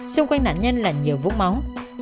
xung quanh nạn nhân là nhiều vũ máu